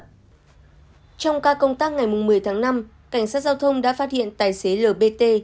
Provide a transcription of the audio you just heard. trong ca công tác ngày một mươi tháng năm cảnh sát giao thông đã phát hiện tài xế lpt